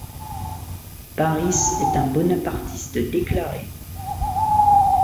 Pâris est un bonapartiste déclaré.